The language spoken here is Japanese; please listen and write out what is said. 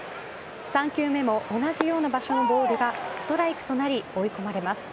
３球目も同じような場所のボールがストライクとなり追い込まれます。